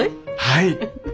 はい。